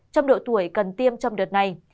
trong độ tuổi cần tiêm trong đợt này